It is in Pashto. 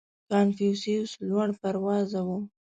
• کنفوسیوس لوړ پروازه و.